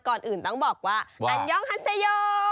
ก่อนอื่นต้องบอกว่าอันย่องฮัสโย